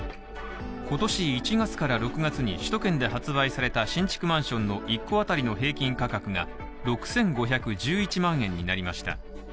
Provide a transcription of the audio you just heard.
今年１月から６月に首都圏で発売された新築マンションの一戸あたりの平均価格が６５１１万円になりました。